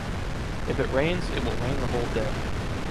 If it rains, it will rain the whole day.